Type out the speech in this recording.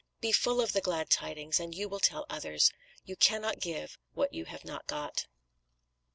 Be full of the Glad Tidings, and you will tell others. You cannot give what you have not got."